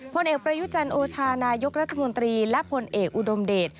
ผลเอกประยุจันทร์โอชานายกรัฐมนตรีและผลเอกอุดมเดช